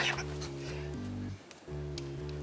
kalau gitu saya permisi ya boy